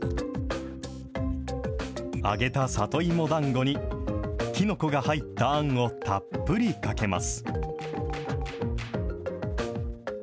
揚げた里芋だんごに、きのこが入ったあんをたっぷりかけます。